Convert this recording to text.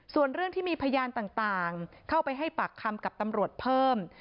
ส่วนเรื่องที่มีพยานต่างเข้าไปให้ปากคำกับตำรวจเพิ่ม